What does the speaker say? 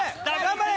頑張れ！